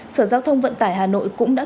sở giao thông vận tải hà nội cũng đã